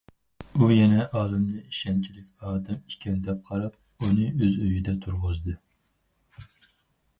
ئۇ يەنە ئالىمنى ئىشەنچلىك ئادەم ئىكەن دەپ قاراپ، ئۇنى ئۆز ئۆيىدە تۇرغۇزدى.